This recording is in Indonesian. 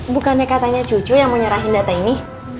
bukan ya katanya cucu yang menyerahin data ini